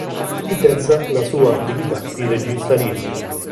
Intensa la sua attività di regista lirico.